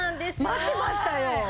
待ってましたよ。